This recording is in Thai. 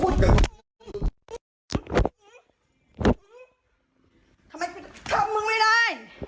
ทำไมถึงกำลังไม่ได้